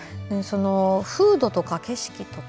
風土とか景色とか